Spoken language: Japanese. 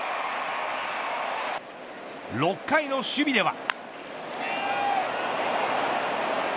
６回の守備では。